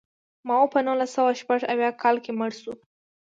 ماوو په نولس سوه شپږ اویا کال کې مړ شو.